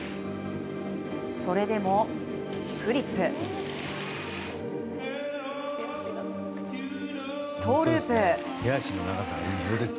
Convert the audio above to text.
それでも、フリップトウループ。